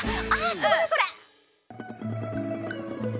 すごいこれ。